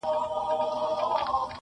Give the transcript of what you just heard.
• چي آشنا مي دی د پلار او د نیکونو -